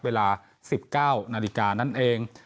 เวลา๑๙นาฬิกานั่นเอง